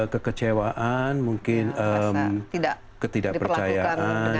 kekecewaan mungkin ketidakpercayaan